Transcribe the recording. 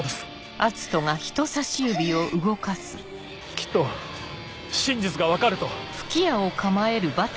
きっと真実が分かると。